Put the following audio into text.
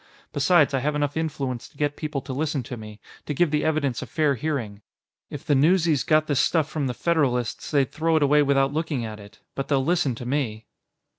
Besides, I have enough influence to get people to listen to me, to give the evidence a fair hearing. If the newsies got this stuff from the Federalists, they'd throw it away without looking at it. But they'll listen to me."